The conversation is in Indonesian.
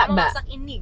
iya semua masak ini